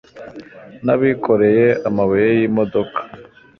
nabikoreye amabuye yi modoka